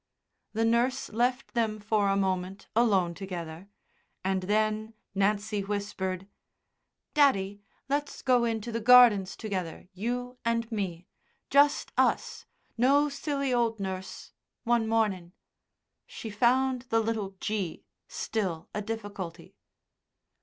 The nurse left them for a moment alone together, and then Nancy whispered: "Daddy, let's go into the gardens together, you and me; just us no silly old nurse one mornin'." (She found the little "g" still a difficulty.)